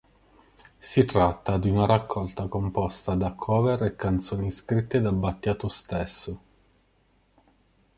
Si tratta di una raccolta composta da cover e canzoni scritte da Battiato stesso.